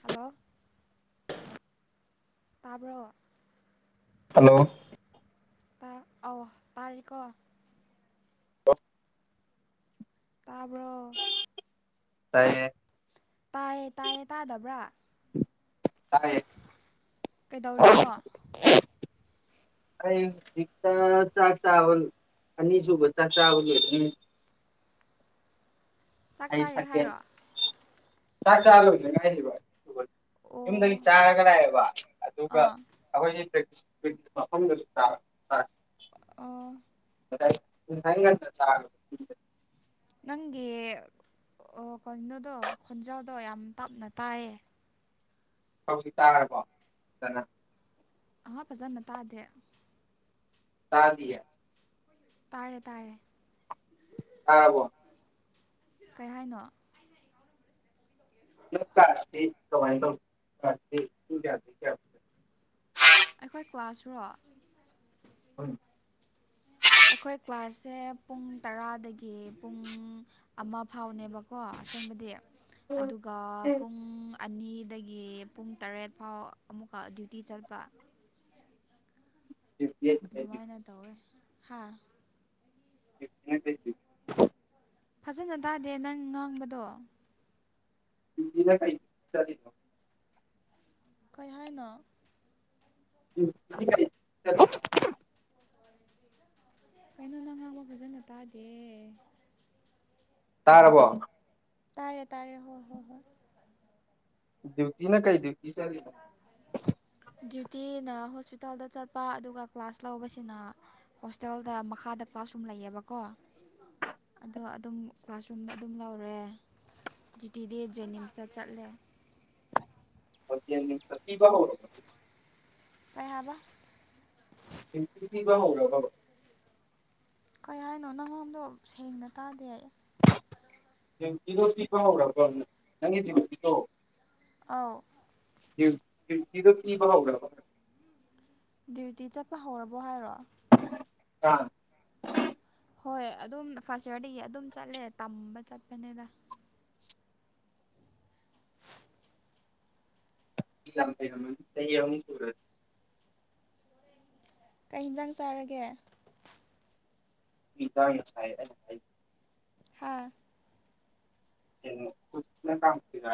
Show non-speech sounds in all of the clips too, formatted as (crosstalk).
hello ꯇꯥꯕ꯭ꯔꯣ hello ꯑ ꯇꯥꯔꯀꯣ ꯑ ꯇꯥꯕ ꯇꯥꯏꯌꯦ ꯇꯥꯏꯌꯦ ꯇꯥꯏꯌꯦ ꯇꯥꯗꯕ꯭ꯔꯥ ꯇꯥꯏꯌꯦ ꯀꯩꯗꯧꯔꯤꯅꯣ ꯑꯩꯛꯇ ꯆꯥꯛ ꯆꯕ ꯑꯅꯤꯁꯨꯕ ꯆꯥꯎꯔꯤ ꯑꯗꯨ ꯆꯥꯛ ꯆꯥꯔꯦ ꯍꯥꯏꯔꯣ ꯆ ꯆꯜꯗ ꯀꯥꯏ ꯌꯨꯝꯗꯒꯤ ꯑꯣ ꯆꯥꯔꯒ ꯂꯥꯛꯑꯦꯕ ꯑꯗꯨꯒ ꯑꯥ ꯑꯩꯈꯣꯏꯁꯤ ꯃꯐꯝꯁ ꯑꯣ ꯆꯥ ꯅꯪꯦ ꯑꯣ ꯀꯩꯅꯣꯗꯣ ꯈꯣꯟꯖꯥꯎꯗꯣ ꯌꯥꯝ ꯇꯞꯅ ꯇꯥꯏꯌꯦ ꯍꯧꯖꯤꯛ ꯇꯥꯔꯕꯣ ꯐꯖꯅ ꯑ ꯐꯖꯅ ꯇꯥꯗꯦ ꯇꯥ ꯂ ꯇꯥꯔꯦ ꯇꯥꯔꯦ ꯇꯕꯣ ꯀꯔꯤ ꯍꯥꯏꯅꯣ ꯃꯥꯏꯕ ꯑꯩꯈꯣꯏ ꯀ꯭ꯂꯥꯁꯔꯣ ꯍ ꯁꯦ ꯄꯨꯡ ꯇꯔꯥꯗꯒꯤ ꯄꯨꯡ ꯑꯃ ꯐꯥꯎꯅꯦꯕ ꯀꯣ ꯑꯁꯦꯡꯕꯗꯤ ꯑꯗꯨꯒ ꯄꯨꯡ ꯑꯅꯤꯗꯒꯤ ꯄꯨꯡ ꯇꯔꯦꯠ ꯐꯥꯎ ꯑꯃꯨꯛꯀ ꯗ꯭ꯌꯨꯇꯤ ꯆꯠꯄ ꯗ꯭ꯌꯨꯇꯤꯅ ꯑꯗꯨꯃꯥꯏꯅ ꯇꯧꯋꯦ ꯍꯥ (inaudible) ꯐꯖꯅ ꯇꯥꯗꯦ ꯅꯪ ꯉꯥꯡꯕꯗꯣ ꯅ ꯀ ꯀꯩ ꯍꯥꯏꯅꯣ ꯎꯝꯩꯅꯣ ꯀꯩꯅꯣ ꯅꯪ ꯉꯥꯡꯕ ꯐꯖꯅ ꯇꯥꯗꯦ ꯇꯔꯕ ꯇꯥꯔꯦ ꯇꯥꯔꯦ ꯍꯣꯏ ꯍꯣꯏ ꯍꯣꯏ ꯗ꯭ꯌꯨꯇꯤ ꯅ ꯀꯥꯏ ꯗꯌꯨꯇꯤ ꯆꯔꯤ ꯅꯨꯡꯇꯤꯅ ꯍꯣꯁꯄꯤꯇꯥꯜꯗ ꯆꯠꯄ ꯑꯗꯨꯒ ꯀ꯭ꯂꯥꯁ ꯂꯧꯕꯁꯤꯅ ꯍꯣꯁꯇꯦꯜꯗ ꯃꯈꯥꯗ ꯀ꯭ꯂꯥꯁꯔꯨꯝ ꯂꯩꯌꯦꯕꯀꯣ ꯑꯗꯣ ꯑꯗꯨꯝ ꯀ꯭ꯂꯥꯁꯔꯨꯝꯗ ꯑꯗꯨꯝ ꯂꯧꯔꯦ ꯇꯤ ꯗꯦ ꯖꯦꯅꯤꯝꯁꯇ ꯆꯠꯂꯦ ꯕ ꯑꯍꯕ ꯄꯕ ꯍꯧꯔꯕ ꯀꯩ ꯍꯥꯏꯅꯣ ꯅꯪꯉꯣꯟꯝꯗꯣ ꯁꯦꯡꯅ ꯇꯥꯗꯦ ꯑꯩ ꯤꯗꯣ ꯄꯤ ꯀ꯭ꯔꯕ ꯅꯪꯒꯤꯤꯗꯣ ꯑ ꯇꯗ ꯀ ꯋꯥꯍ꯭ꯔꯕꯦ ꯗ꯭ꯌꯨꯇꯤ ꯆꯠꯄ ꯍꯧꯔꯕꯣ ꯍꯥꯏꯔꯣ ꯑꯥ ꯍꯣꯏ ꯑꯗꯨꯝ ꯐꯥꯔꯁ ꯏꯌꯥꯔꯗꯒꯤ ꯑꯗꯨꯝ ꯆꯠꯂꯦ ꯇꯝꯕ ꯆꯠꯄꯅꯤꯗ ꯁꯍꯨꯝ ꯁꯨꯔꯠ ꯀꯩ ꯌꯦꯟꯖꯥꯡ ꯆꯥꯔꯒꯦ (inaudible) ꯍꯥꯥ ꯀꯒ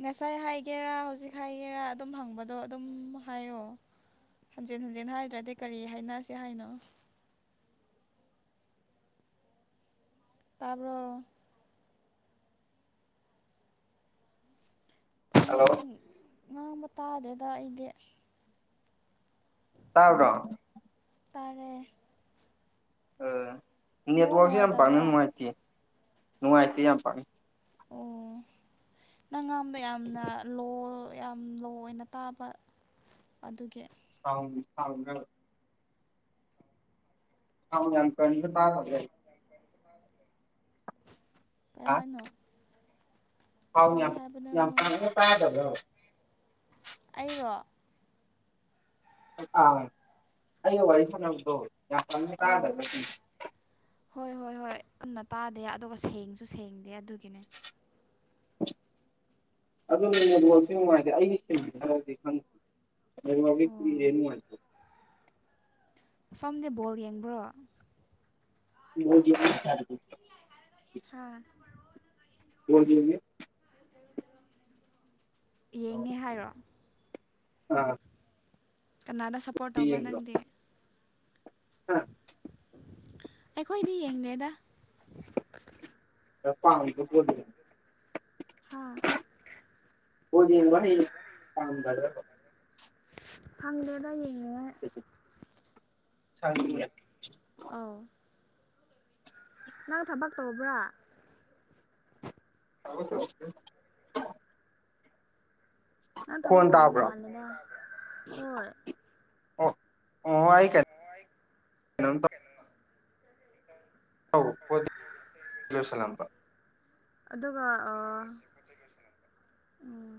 ꯉꯁꯥꯏ ꯍꯥꯏꯒꯦꯔꯥ ꯍꯧꯖꯤꯛ ꯍꯥꯏꯒꯦꯔꯥ ꯑꯗꯨꯝ ꯍꯪꯕꯗꯣ ꯑꯗꯨꯝ ꯍꯥꯏꯌꯣ ꯍꯟꯖꯤꯟ ꯍꯟꯖꯤꯟ ꯍꯥꯏꯗ꯭ꯔꯗꯤ ꯀꯔꯤ ꯍꯥꯏꯅꯁꯤ ꯍꯥꯏꯅꯣ ꯇꯥꯔꯕꯣ ꯀꯩꯅꯣ ꯍꯜꯂꯣ ꯅꯪ ꯉꯥꯡꯕ ꯇꯥꯗꯦꯗ ꯑꯩꯗꯤ ꯇꯥꯕ꯭ꯔꯣ ꯇꯔꯦ ꯅꯦꯠꯋꯥꯛꯁꯦ ꯌꯥꯝ ꯄꯥꯛꯅ ꯅꯨꯡꯉꯥꯏꯇꯕ꯭ꯔꯥ ꯅꯨꯡꯉꯥꯏꯇꯦ ꯅꯨꯡꯉꯥꯏꯇꯦ ꯌꯥꯝ ꯄꯥꯛꯅ ꯑꯣ ꯅꯪꯒꯥꯝꯗ ꯌꯥꯝꯅ ꯂꯣ ꯌꯥꯝ ꯂꯣ ꯑꯣꯏꯅ ꯇꯥꯕ ꯑꯗꯨꯒꯤ ꯁꯥꯡꯒ ꯍ ꯌꯥꯝ ꯀ ꯇꯥ ꯐ ꯀꯔꯍꯥꯅꯣ ꯍꯥꯎ ꯇꯥꯗꯕꯣ ꯑꯩꯔꯣ ꯑꯥ ꯑꯩ ꯋꯥꯔꯤ ꯁꯥꯟꯅꯕꯗꯣ ꯌꯥꯝ ꯀꯪꯅ ꯑꯧ ꯇꯥꯗ꯭ꯔ ꯍꯣꯏ ꯍꯣꯏ ꯍꯣꯏ ꯀꯟꯅ ꯇꯥꯗꯦ ꯑꯗꯨꯒ ꯁꯦꯡꯁꯨ ꯁꯦꯡꯗꯦ ꯑꯗꯨꯒꯤꯅꯦ ꯑꯗꯨ ꯅꯅꯦꯗꯣꯁꯨ ꯅꯨꯡꯉꯥꯏꯇ꯭ꯔꯦ ꯑꯩꯒꯤ ꯁꯟꯃꯤ ꯍꯥꯏꯔꯗꯤ ꯈꯪꯗ ꯀ ꯑꯣ ꯃꯥꯊ ꯁꯣꯝꯗꯤ ꯕꯣꯜ ꯌꯦꯡꯕ꯭ꯔꯣ ꯃꯖꯤ ꯊꯔꯒꯗ꯭ꯔ ꯍꯥ ꯦ ꯌꯦꯡꯉꯦ ꯍꯥꯏꯔꯣ ꯑꯥ ꯀꯅꯥꯗ ꯁꯞꯄꯣꯔꯠ ꯇꯧꯕ ꯅꯪꯗꯦ ꯑ ꯑꯩꯈꯣꯏꯗꯤ ꯌꯦꯡꯗꯦꯗ ꯄꯒꯗ ꯍꯥ ꯑꯣꯗꯤ ꯋꯥ ꯀꯝꯗ ꯁꯂꯗꯥꯏ ꯆ ꯑ ꯅꯪ ꯊꯕꯛ ꯇꯧꯕ꯭ꯔꯥ (unintelligible) ꯅꯪ ꯊꯕꯛ ꯈꯣꯟ ꯇꯧꯕ ꯇꯥꯕ꯭ꯔꯣ ꯃꯥꯜꯂꯦꯗ ꯍꯣꯏ ꯑꯣ ꯑꯣ ꯑꯩ ꯀꯩꯅ ꯑꯂꯝ ꯑꯗꯨꯒ ꯎꯝ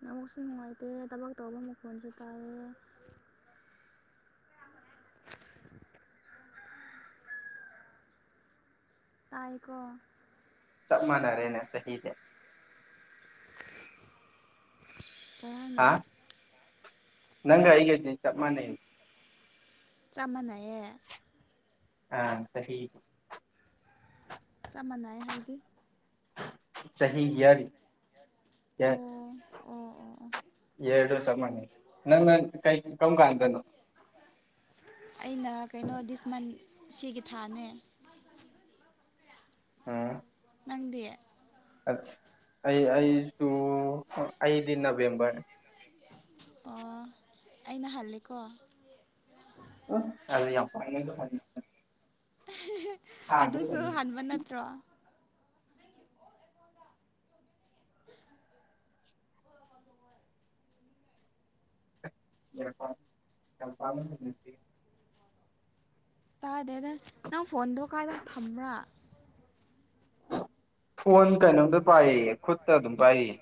ꯅꯧꯕꯁꯨ ꯅꯨꯡꯉꯥꯏꯇꯦ ꯊꯕꯛ ꯇꯧꯕ ꯃꯈꯣꯟꯜꯁꯨ ꯇꯥꯏꯑꯌꯦ (inaudible) ꯇꯥꯏꯀꯣ ꯁꯞ ꯃꯅꯔꯦꯅ ꯁꯍꯤꯗꯦ ꯇꯅ ꯍꯥ ꯅꯪꯒ ꯑꯩꯒ ꯆꯞ ꯃꯥꯟꯅ ꯆ ꯃꯥꯟꯅꯩꯑꯌꯦ ꯑꯥ ꯇꯔꯤ ꯆꯞ ꯃꯥꯟꯅꯩ ꯍꯥꯏꯗꯤ ꯆꯍꯤ ꯑꯣ ꯌ ꯑꯣ ꯑꯣ ꯑꯣ ꯌꯦꯔꯗ ꯁꯃꯅ ꯅ ꯅ ꯀꯥꯏ ꯀꯝ ꯀꯥꯥꯟꯗꯅ ꯑꯩꯅ ꯀꯩꯅꯣ ꯗꯤꯁ ꯃꯟ ꯁꯤꯒꯤ ꯊꯥꯅꯦ ꯑꯝ ꯅꯪꯗꯦ ꯑꯩ ꯑꯩꯁꯨ ꯑꯩꯗꯤ ꯅꯕꯦꯝꯕꯔ ꯑꯣ ꯑꯩꯅꯍꯜꯂꯦꯀꯣ ꯎ ꯌꯥꯝ ꯐꯥꯏ ꯑꯗꯨꯁꯨ ꯍꯟꯥꯟꯕ ꯅꯠꯇ꯭ꯔꯣ (unintelligible) ꯌꯦꯦꯜꯄꯝ ꯇꯥꯗꯦ ꯑꯗꯨꯗ ꯅꯪ ꯐꯣꯟꯗꯣ ꯀꯥꯏꯗ ꯊꯝꯕ꯭ꯔꯥ ꯐꯣꯟ ꯀꯩꯅꯣꯝꯇ ꯄꯥꯏꯔꯤꯌꯦ ꯈꯨꯠꯇ ꯑꯗꯨꯝ ꯄꯥꯏꯔꯤꯌꯦ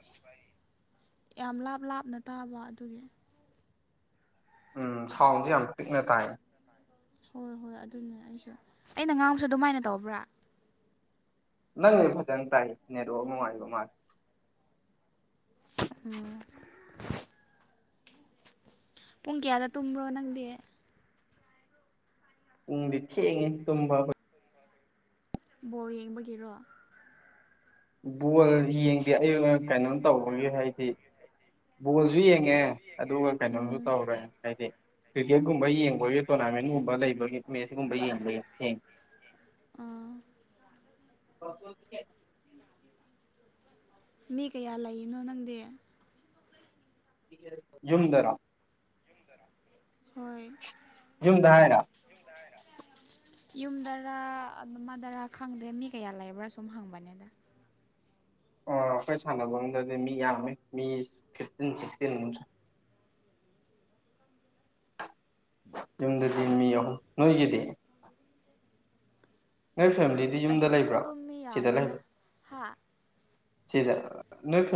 ꯌꯥꯝ ꯂꯥꯞ ꯂꯥꯞꯅ ꯇꯥꯕ ꯑꯗꯨꯒꯤ ꯎꯝ ꯁꯥꯎꯟꯁꯦ ꯌꯥꯝ ꯄꯤꯛꯅ ꯇꯥꯏ ꯍꯣꯏ ꯍꯣꯏ ꯑꯗꯨꯅꯤꯅ ꯑꯩꯁꯨ ꯑꯩꯅ ꯉꯥꯡꯕꯁꯨ ꯑꯗꯨꯃꯥꯏꯅ ꯇꯧꯕ꯭ꯔꯥ ꯅꯪꯅꯦ ꯐꯖꯅ ꯇꯥꯏ ꯅꯦꯠꯋꯥꯛ ꯑꯃꯉꯥꯏꯕ ꯃꯥꯜꯜꯂꯤꯦ ꯎꯝ ꯄꯨꯡ ꯀꯌꯥꯗ ꯇꯨꯝꯕ꯭ꯔꯣ ꯅꯪꯗꯤ ꯎꯝꯗꯤ ꯊꯦꯡꯉꯦ ꯇꯨꯝꯕ ꯕꯣꯜ ꯌꯦꯡꯕꯒꯤꯔꯣ ꯕꯣꯜ ꯌꯦꯡꯗꯦ ꯑꯩ ꯀꯩꯅꯣꯝ ꯇꯧꯕꯒꯤꯦ ꯍꯥꯏꯗꯤ ꯕꯣꯜꯁꯨ ꯌꯦꯡ ꯑꯦ ꯑꯗꯨꯒ ꯀꯩꯅꯣꯁꯨ ꯎꯝ ꯇꯧꯔꯦ ꯍꯥꯏꯗꯤ ꯀꯤꯔꯤꯛꯀꯦꯠꯀꯨꯝꯕ ꯌꯦꯡꯕꯒꯤ ꯇꯣꯔꯅꯥꯃꯦꯟꯒꯨꯝꯕ ꯂꯩꯕꯒꯤ ꯃ ꯁꯤꯒꯨꯝꯕ ꯌꯦꯡꯕꯒꯤ ꯑꯥ (unintelligible) ꯃꯤ ꯀꯌꯥ ꯂꯩꯔꯤꯅꯣ ꯅꯪꯗꯤ ꯖꯨꯝꯗꯔꯥ ꯍꯣꯏ ꯌꯨꯝꯗꯔꯥ ꯌꯨꯝꯗꯔꯥ ꯑꯃꯗꯔꯥ ꯈꯪꯗꯦ ꯃꯤ ꯀꯌꯥ ꯂꯩꯕ꯭ꯔꯥ ꯁꯨꯝ ꯍꯪꯕꯅꯦꯗ ꯑꯣ ꯑꯩꯈꯣꯏ ꯁꯥꯟꯅꯕ ꯑꯃꯗꯗꯤ ꯃꯤ ꯌꯥꯝꯃꯦ ꯃꯤ ꯐꯤꯐꯇꯤꯟ ꯁꯤꯛꯁꯇꯤꯟ ꯑꯃꯁꯨ ꯌꯨꯝꯗꯗꯤ ꯃꯤ ꯑꯍꯨꯝ ꯅꯣꯏꯒꯤꯗꯤ ꯅꯣꯏ ꯐꯦꯃꯤꯂꯤꯗꯤ ꯌꯨꯝꯗ ꯑꯩꯈꯣꯏꯁꯨ ꯂꯩꯕ꯭ꯔꫭ ꯑꯗꯨꯝ ꯃꯤ ꯁꯤꯗ ꯌꯥꯝꯃꯦꯗ ꯂꯩꯕ꯭ꯔꫭ ꯁꯤꯗ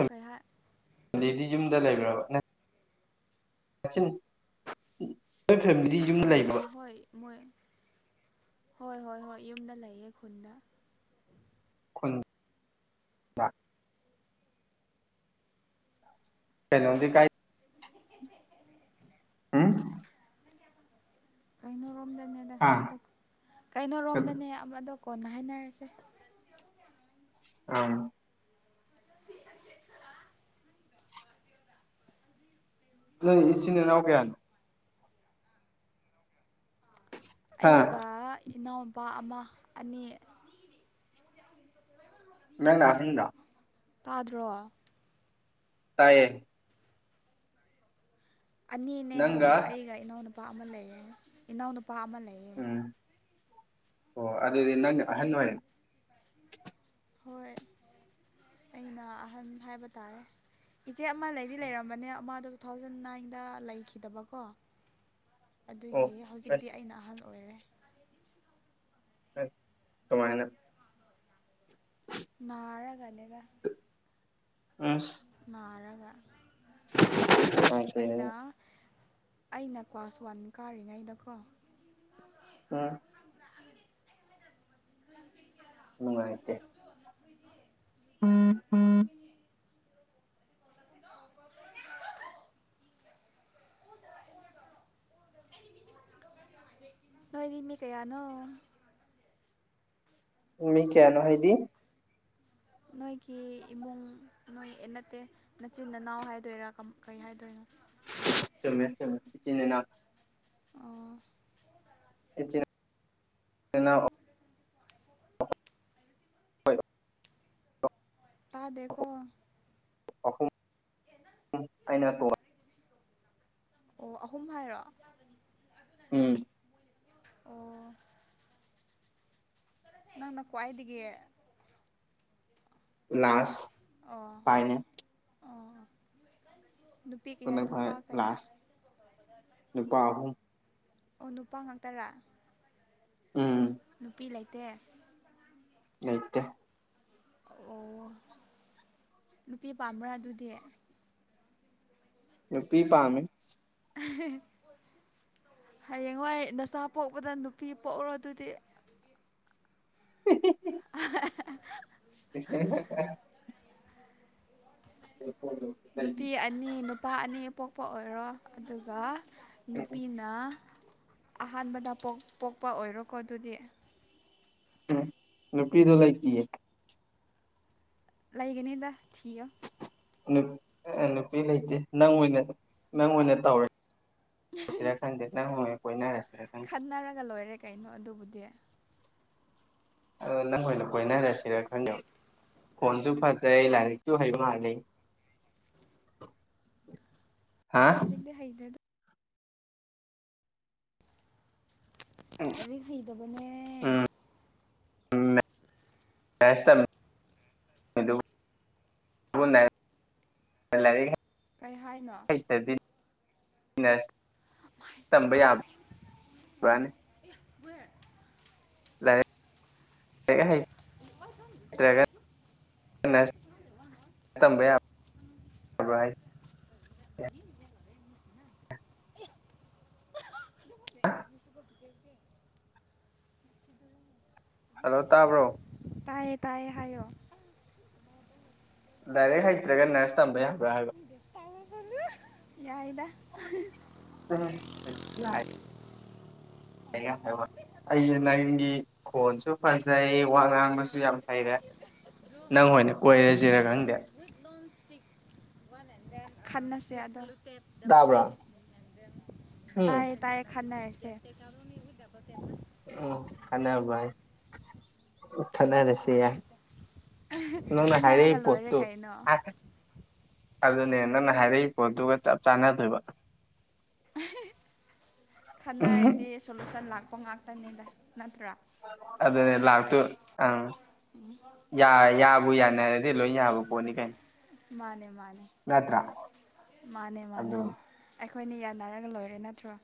ꯀꯩꯥꯍꯥꯥꯏ ꯐꯦꯝꯂꯤꯗꯤ ꯌꯨꯝꯗ ꯂꯩꯕ꯭ꯔꯕ (unintelligible) ꯐꯦꯃꯤꯂꯤꯗꯤ ꯑꯣ ꯍꯣꯏ ꯃꯣꯏ ꯍꯣꯏ ꯍꯣꯏ ꯍꯣꯏ ꯌꯨꯝꯗ ꯂꯩꯌꯦ ꯈꯨꯟꯗ ꯈꯨꯟꯗ ꯀꯩꯅꫭꯗꯤ ꯀꯥꯏ ꯎꯝ ꯀꯩꯅꯣꯔꯣꯝꯗꯅꯦꯗ ꯍꯥ ꯀꯩꯅꯣꯔꯣꯝꯗꯅꯦ ꯑꯃꯗꫭ ꯀꯣꯟꯅ ꯍꯥꯏꯅꯔꯁꯦ ꯑ ꯅꯣꯏ ꯏꯆꯤꯅꯦꯅꯥꯎ ꯀꯌꯥꯅꫭ ꯍꯥ ꯑꯩꯒ ꯏꯅꯥꯎꯄꯥ ꯑꯃ ꯑꯅꯤ ꯅꯪ ꯅ ꯑꯍꯟꯔ ꯇꯥꯗ꯭ꯔꯣ ꯇꯥꯏꯌꯦ ꯑꯅꯤꯅꯦ ꯍꯥꯏꯕ ꯅꯪꯒ ꯑꯩꯒ ꯏꯅꯥꯎꯅꯨꯄꯥ ꯑꯃ ꯂꯩꯌꯦ ꯏꯅꯥꯎꯅꯨꯄꯥ ꯑꯃ ꯂꯩꯌꯦ ꯎꯝ ꯑꯣ ꯑꯗꯨꯗꯤ ꯅꯪ ꯑꯍꯟ ꯑꫭꯏꯔꯦ ꯍꯣꯏ ꯑꯩꯅ ꯑꯍꯟ ꯍꯥꯏꯕ ꯇꯥꯔꯦ ꯏꯆꯦ ꯑꯃ ꯂꯩꯗꯤ ꯂꯩꯔꯝꯕꯅꯦ ꯃꯥꯗꯣ ꯇꯨ ꯊꯥꯎꯖꯟ ꯅꯥꯏꯟꯗ ꯂꯩꯈꯤꯗꯕꯀꯣ (inaudible) ꯑꯗꯨꯒꯤ ꯍꯧꯖꯤꯛꯇꯤ ꯑꯁ ꯑꯩꯅ ꯑꯍꯜ ꯑꯣꯏꯔꯦ ꯀꯃꯥꯏꯅ ꯅꯥꯔꯒꯅꯦꯗ ꯑꯁ ꯅꯥꯔꯒ ꯑꯩꯅ ꯑꯩꯅ ꯀ꯭ꯂꯥꯁ ꯋꯥꯟ ꯀꯥꯔꯤꯉꯩꯗꯀꯣ ꯎꯝ ꯅꯨꯡꯉꯥꯏꯇꯦ (unintelligible) ꯅꯣꯏꯗꯤ ꯃꯤ ꯀꯌꯥꯅꯣ ꯃꯤ ꯀꯩꯅꯣ ꯍꯥꯏꯗꯤ ꯅꯣꯏꯒꯤ ꯏꯃꯨꯡ ꯅꯣꯏ ꯅꯠꯇꯦ ꯅꯆꯤꯟ ꯅꯅꯥꯎ ꯍꯥꯏꯗꯣꯏꯔ ꯀꯩ ꯍꯥꯏꯗꯣꯏꯅꯣ ꯆꯨꯝꯃꯦ ꯆꯨꯝꯃꯦ ꯏꯆꯤꯟꯏꯅꯥꯎ ꯑꯣ ꯏꯆꯤꯟ ꯏꯅꯥꯎ (unintelligible) ꯇꯥꯗꯦꯀꫭ ꯑꯍꯨꯝ ꯑꯨꯝ ꯑꯩꯅ ꯑꯇꫭ ꯑꯣ ꯑꯍꯨꯝ ꯍꯥꯏꯔꫭ ꯎꯝ ꯑꯣ ꯅꯪ ꯅ ꯀꯋꯥꯥꯏꯗꯒꯤꯗꯒꯤ ꯂꯥꯁ ꯑꯣ ꯐꯥꯏꯅꯦꯜ ꯑꯣ ꯅꯨꯄꯤ ꯀꯌꯥ ꯅꯨꯄꯥ (unintelligible) ꯀꯌꯥ ꯂꯥꯁ ꯅꯨꯄꯥ ꯑꯍꯨꯝ ꯑꯣ ꯅꯨꯄꯥ ꯉꯥꯛ ꯇꯔ ꯎꯝ ꯇꯦ ꯂꯩꯇꯦ ꯑꯣ ꯅꯨꯄꯤ ꯄꯥꯝꯕ꯭ꯔꯥ ꯑꯗꯨꯗꯤ ꯅꯨꯄꯤ ꯄꯥꯝꯃꯤ (unintelligible) ꯍꯌꯦꯡꯋꯥꯏ ꯅꯆꯥ ꯄꯣꯛꯄꯗ ꯅꯨꯄꯤ ꯄꯣꯛꯎꯔꯣ ꯑꯗꯨꯗꯤ (unintelligible) (unintelligible) ꯅꯨꯄꯤ ꯑꯅꯤ ꯅꯨꯄꯥ ꯑꯅꯤ ꯄꯣꯛꯄ ꯑꯣꯏꯔꯣ ꯑꯗꯨꯒ ꯅꯨꯄꯤꯅ ꯑꯍꯥꯟꯕꯗ ꯄꯣꯛꯄ ꯑꯣꯏꯔꯣꯀꯣ ꯑꯗꯨꯗꯤ ꯎꯝ ꯅꯨꯄꯤꯗꯣ ꯂꯩꯇꯤꯌꯦ ꯂꯩꯥꯒꯅꯤꯗ ꯊꯤꯌꯣ ꯅꯨꯄꯤ ꯂꯩꯇꯦ ꯅꯪ ꯑꯣꯏꯅ ꯅꯪ ꯑꯣꯏꯅ ꯇꯧꯔꯦ ꯄꯁꯤꯔ ꯈꯪꯗ‌ꯦ ꯅꯪ ꯑ‌ꯣꯏꯅ ꯀꯣꯏꯅꯔꯁꯤ ꯈꯠꯅꯔꯒ ꯂꯣꯏꯔꯦ ꯀꯩꯅꯣ ꯑꯗꯨꯕꯨꯗꯤ ꯑ ꯅꯪꯑꯣꯏꯅ ꯀꯣꯏꯅꯔꯁꯤꯔ ꯈꯪꯗꯕꯥ ꯈꯣꯟꯁꯨ ꯐꯖꯩ ꯂꯥꯏꯔꯤꯛꯁꯨ ꯍꯩ ꯃꯥꯜꯂꯤ ꯍꯥ ꯂꯥꯏꯔꯤꯛ ꯗꯤ ꯍꯩꯗꯦ ꯑꯗꯣ ꯂꯥꯏꯔꯤꯛ ꯍꯩꯇꯕꯅꯦ ꯃꯁ ꯇꯝ (unintelligible) ꯂꯩ ꯀꯔꯤ ꯍꯥꯏꯅꯣ ꯅ꯭ꯔꯁ ꯇꯝꯕ ꯌꯥꯕ ꯋꯥꯅꯤ (unintelligible) ꯂꯥꯏꯔꯤꯛ (unintelligible) ꯂꯥꯏꯔꯤꯛ ꯍꯩ ꯇ꯭ꯔ ꯒꯥ (inaudible) ꯅ꯭ꯔꯁ ꯇꯝꯕꯥ ꯌꯥꯕꯔꯣ ꯥ (unintelligible) ꯗꯒꯦꯗ (inaudible) ꯍꯜꯂꯣ ꯇꯥꯕ꯭ꯔꯣ ꯇꯥꯏꯌꯦ ꯇꯥꯏꯌꯦ ꯍꯥꯏꯌꯣ ꯂꯥꯏꯔꯤꯛ ꯍꯩꯇ꯭ꯔꯦꯒ ꯅ꯭ꯔꯁ ꯇꯝꯕ ꯌꯥ (unintelligible) ꯌꯥꯏꯗ ꯎꯝ ꯍꯥꯏꯕ ꯑꯩꯁꯦ ꯅꯪꯒꯤ ꯈꯣꯟꯁꯨ ꯐꯖꯩ ꯋꯥ ꯉꯥꯡꯕꯁꯨ ꯌꯥꯝ ꯐꯩꯔꯦ ꯅꯪ ꯍꯣꯏꯅ ꯀꯣꯏꯔꯁꯤꯔ ꯈꯪꯗꯦ ꯈꯟꯅꯁꯦ ꯑꯗꯣ ꯇ ꯇꯥꯕ꯭ꯔꯥ ꯎꯝ ꯇꯥꯏꯌꯦ ꯇꯥꯏꯌꯦ ꯈꯟꯅꯔꯁꯦ (inaudible) ꯑꯣ ꯀꯅꯥꯚꯥꯏ ꯊꯅꯔꯁꯤ ꯅꯪꯅ ꯍꯥꯏꯔꯛꯏ ꯈꯟꯅꯔꯒ ꯄꯣꯠ ꯂꯣꯏꯔꯦ ꯇ‌ꯣ ꯀꯩꯅꯣ ꯑꯗꯨꯅꯦ ꯅꯪꯅ ꯍꯥꯏꯔꯛꯏ ꯄꯣꯠꯇꯨꯒ ꯆꯞ ꯆꯥꯟꯅꯗꯣꯏꯕ ꯈꯟꯅꯔꯗꯤ ꯁꯣꯂꯨꯁꯟ ꯂꯥꯛꯄ ꯉꯥꯛꯇꯅꯤꯗ ꯅꯠꯇ꯭ꯔꯥ ꯑꯗꯨꯅꯦ ꯂꯥꯛꯇꯨ ꯑꯪ ꯌꯥ ꯌꯥꯕꯨ ꯌꯥꯅꯔꯗꯤ ꯂꯣꯏ ꯌꯥꯕ ꯄꯣꯠꯅꯤ ꯀꯩꯅ ꯃꯥꯅꯦ ꯃꯥꯅꯦ ꯅꯠꯇꯔ ꯃꯥꯅꯦ ꯃꯥꯅꯦ ꯑꯗꯨ ꯑꯩꯈꯣꯏꯅꯤ ꯌꯥꯟꯅꯔꯒ ꯂꯣꯏꯔꯦ ꯅꯠꯇ꯭ꯔꯣ